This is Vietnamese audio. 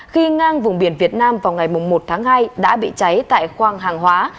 khi ngang vùng biển việt nam vào ngày một tháng hai đã bị cháy tại khoang hàng hóa